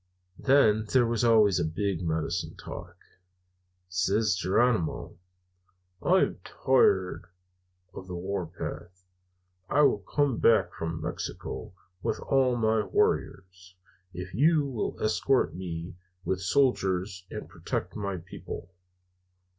Then there was always a big medicine talk. Says Geronimo: "'I am tired of the warpath. I will come back from Mexico with all my warriors, if you will escort me with soldiers and protect my people.'